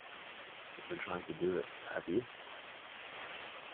You've been trying to do it, have you?